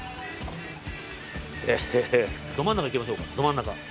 ど真ん中いきましょうか？